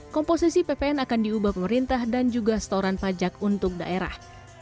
komposisi ppn akan diubah pemerintah dan juga setoran pajak untuk daerah